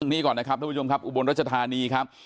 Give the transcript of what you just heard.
ท่านผู้ชมครับอุบลรัชธานีครับ